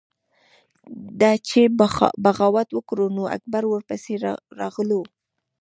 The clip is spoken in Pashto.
ده چې بغاوت وکړو نو اکبر ورپسې راغلو۔